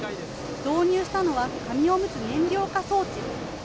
導入したのは紙おむつ燃料化装置。